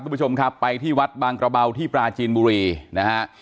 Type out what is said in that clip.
คุณผู้ชมครับไปที่วัดบางกระเบาที่ปลาจีนบุรีนะฮะ